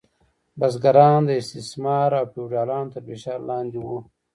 بزګران د استثمار او فیوډالانو تر فشار لاندې وو.